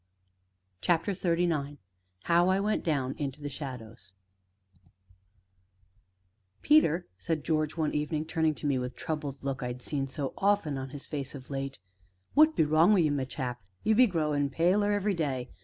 CHAPTER XXXIX HOW I WENT DOWN INTO THE SHADOWS "Peter," said George, one evening, turning to me with the troubled look I had seen so often on his face of late, "what be wrong wi' you, my chap? You be growing paler everyday.